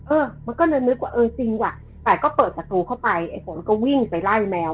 เออมันก็เลยนึกว่าเออจริงว่ะแต่ก็เปิดประตูเข้าไปไอ้ฝนก็วิ่งไปไล่แมว